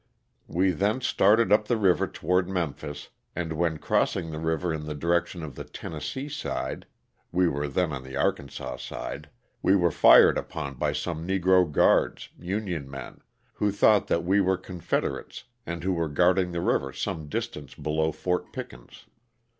We then started up the river toward Memphis and when crossing the river in the direction of the Tennessee side (we were then on the Arkansas side), we were fired upon by some negro guards (Union men) who thought that we were Con federates and who were guarding the river some dis tance below Fort Pickens.